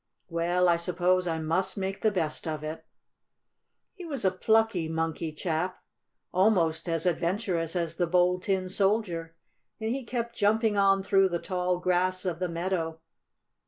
Well, I suppose I must make the best of it." He was a plucky Monkey chap, almost as adventurous as the Bold Tin Soldier, and he kept jumping on through the tall grass of the meadow.